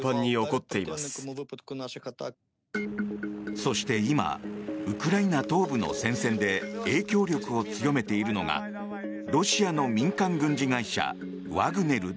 そして今ウクライナ東部の戦線で影響力を強めているのがロシアの民間軍事会社ワグネルだ。